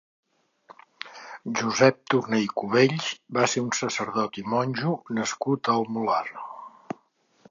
Josep Torné i Cubells va ser un sacerdot i monjo nascut al Molar.